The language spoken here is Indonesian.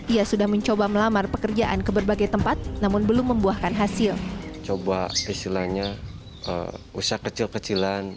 ia sudah mencoba melamar pekerjaan ke berbagai tempat namun belum membuahkan hasil coba